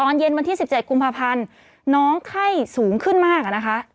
เย็นวันที่๑๗กุมภาพันธ์น้องไข้สูงขึ้นมากอะนะคะ